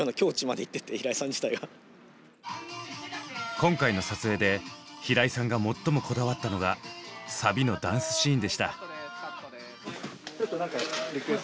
今回の撮影で平井さんが最もこだわったのがサビのダンスシーンでした。